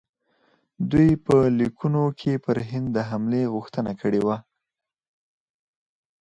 دوی په لیکونو کې پر هند د حملې غوښتنه کړې وه.